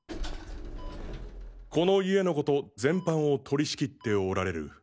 この家のこと全般を取り仕切っておられる。